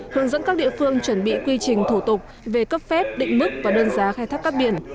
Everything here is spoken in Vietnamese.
hướng dẫn các địa phương chuẩn bị quy trình thủ tục về cấp phép định mức và đơn giá khai thác cát biển